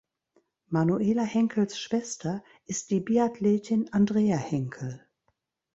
Manuela Henkels Schwester ist die Biathletin Andrea Henkel.